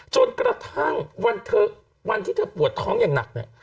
จนกระทั่งวันที่เธอปวดท้องอย่างหนักเนี่ย